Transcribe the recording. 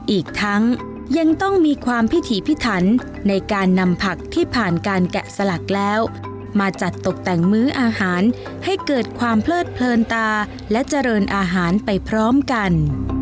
อีกทั้งยังต้องมีความพิถีพิถันในการนำผักที่ผ่านการแกะสลักแล้วมาจัดตกแต่งมื้ออาหารให้เกิดความเพลิดเพลินตาและเจริญอาหารไปพร้อมกัน